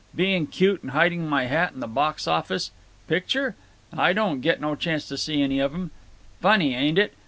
Being cute and hiding my hat in the box office. Picture? I don't get no chance to see any of 'em. Funny, ain't it?